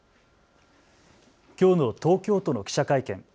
きょうの東京都の記者会見。